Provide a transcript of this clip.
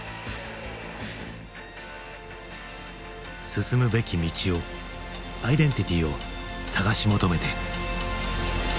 進むべき道をアイデンティティーを探し求めて。